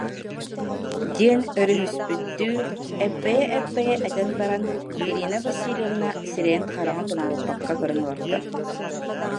диэн өрүһүспүттүү эппэйэ-эппэйэ этэн баран, Ирина Васильевна сирэйин-хараҕын тонолуппакка көрөн олордо